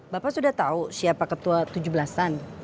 bapak sudah tahu siapa ketua tujuh belasan